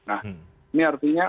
nah ini artinya